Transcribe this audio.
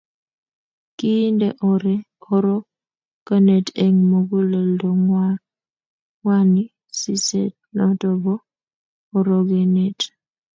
kiinde orokenet Eng' muguldo ng'wany siset noto bo orokenet